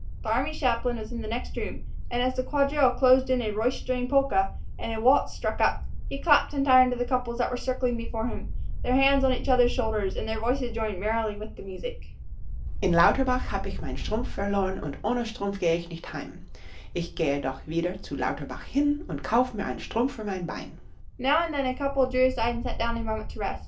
The army chaplain was in the next room; and, as the quadrille closed in a roistering polka and a waltz struck up, he clapped in time to the couples that were circling before him, their hands on each other's shoulders, and their voices joining merrily with the music: "In Lauterbach hab' ich mein Strumf verlor'n, Und ohne Strumf geh' ich nicht heim; Ich gehe doch wieder zu Lauterbach hin Und kauf' mir ein Strumf für mein Bein." Now and then a couple drew aside and sat down a moment to rest.